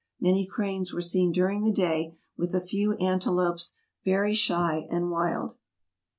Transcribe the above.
Many cranes were seen during the day, with a few antelopes, very shy and wild.